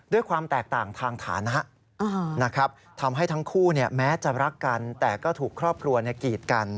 ด้วยความแตกต่างทางฐานะนะครับทำให้ทั้งคู่แม้จะรักกันแต่ก็ถูกครอบครัวกีดกัน